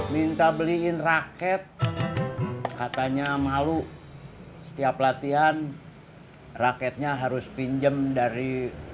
minta beliin racket katanya malu setiap latihan racket nya harus pinjam dari